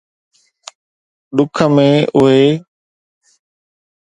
ڏک ۽ اهي